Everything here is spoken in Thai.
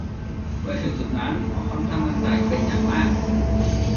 เมื่อถึงจุดนั้น หมอค่อนข้างมั่นใจเป็นอย่างมาก